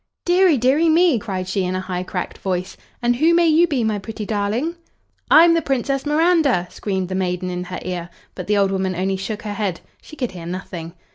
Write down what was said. "Deary, deary me!" cried she, in a high, cracked voice. "And who may you be, my pretty darling?" "I'm the Princess Miranda," screamed the maiden in her ear, but the old woman only shook her head she could hear nothing.